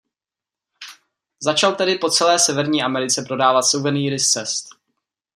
Začal tedy po celé Severní Americe prodávat suvenýry z cest.